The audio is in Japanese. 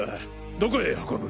どこへ運ぶ？